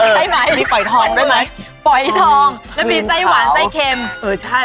ใช่ไหมปล่อยทองแล้วมีไส้หวานไส้เค็มเออใช่